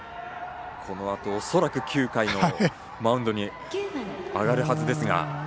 このあと恐らく９回のマウンドに上がるはずですが。